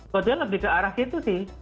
bodohnya lebih kearah situ sih